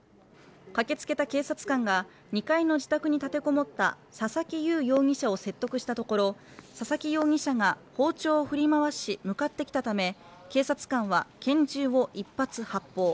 駆けつけた警察官が２階の自宅に立て籠もった佐々木祐容疑者を説得したところ佐々木容疑者が包丁を振り回し向かってきたため、警察官は拳銃を１発発砲。